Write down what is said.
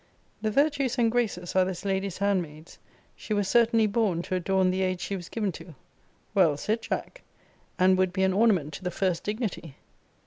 'The Virtues and Graces are this Lady's handmaids. She was certainly born to adorn the age she was given to.' Well said, Jack 'And would be an ornament to the first dignity.'